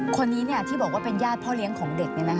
คนนี้เนี่ยที่บอกว่าเป็นญาติพ่อเลี้ยงของพ่อ